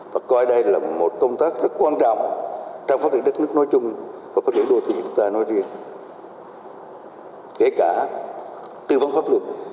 bây giờ thể chế pháp